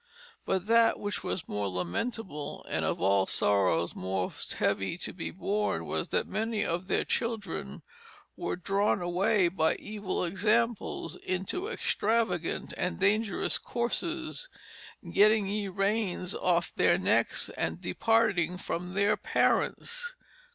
But that which was more lamentable and of all sorrows most heavie to be borne was that many of their children, were drawne away by evill examples into extravagant and dangerous coarses, getting ye raines off their necks, and departing from their parents."